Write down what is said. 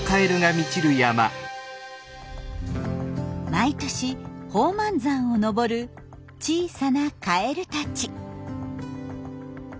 毎年宝満山を登る小さなカエルたち。